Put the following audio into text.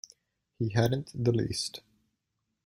He hadn't the least.